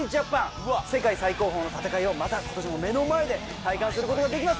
世界最高峰の戦いをまた今年も目の前で体感する事ができます！